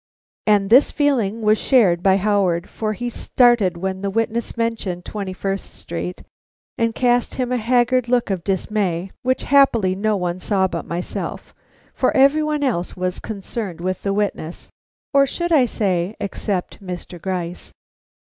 And this feeling was shared by Howard, for he started when the witness mentioned Twenty first Street, and cast him a haggard look of dismay which happily no one saw but myself, for every one else was concerned with the witness. Or should I except Mr. Gryce?